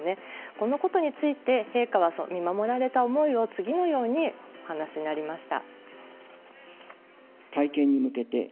このことについて陛下は見守られた思いを次のようにお話になりました。